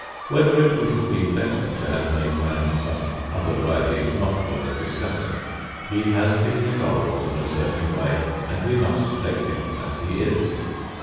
Whether it would have been better to have made man some other way is not worth discussing. He has been evolved in a certain way and we must take him as he is.